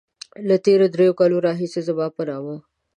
له تېرو دريو کالو راهيسې زما په نامه.